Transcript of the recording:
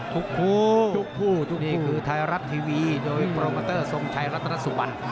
ทุกคู่นี่คือไทรรัสทีวีโดยโปรแมตเตอร์สงชัยรัตนสุบัล